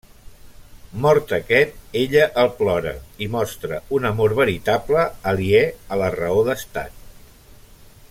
Mort aquest, ella el plora i mostra un amor veritable, aliè a la raó d'Estat.